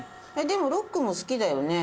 でもロックも好きだよね？